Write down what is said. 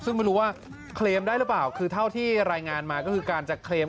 ซึ่งไม่รู้ว่าเคลมได้หรือเปล่าคือเท่าที่รายงานมาก็คือการจะเคลม